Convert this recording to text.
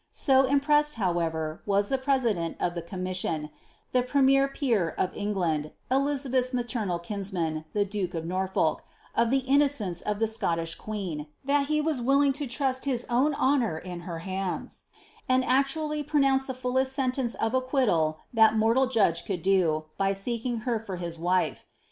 So impressed, however, was the president of the commission, iIm premier peer of England, Elizabeth's maternal kinsman, the duke of Norfolk, of the innocence of the Scottish queen, that he was willing lo trust his own honour in her hands, and aciuslly pronounced the fulleit aentence of acquittal that mortal judge could do, by seeking her for hil wife.